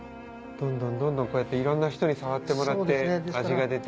どんどんどんどんいろんな人に触ってもらって味が出て。